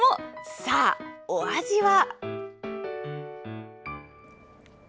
さあ、お味は。